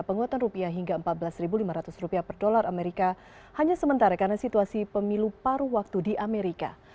penguatan rupiah hingga empat belas lima ratus rupiah per dolar amerika hanya sementara karena situasi pemilu paru waktu di amerika